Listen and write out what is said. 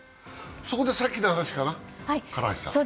そこでさっきの話かな、唐橋さん。